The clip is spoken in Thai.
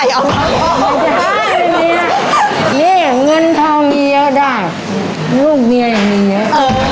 อ๋อไม่ใช่เนี้ยเงินทองเยอะได้ลูกเมียอย่างเงี้ยเออ